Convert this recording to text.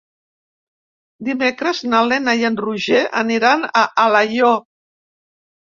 Dimecres na Lena i en Roger aniran a Alaior.